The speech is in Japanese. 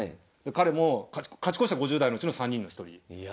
彼も勝ち越した５０代のうちの３人の１人。